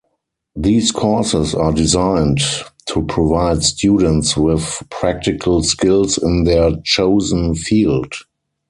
These courses are designed to provide students with practical skills in their chosen field.